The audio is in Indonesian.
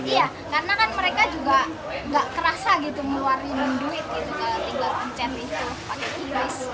iya karena kan mereka juga gak kerasa gitu mewarinan duit gitu kalau tinggal pencet itu pakai kris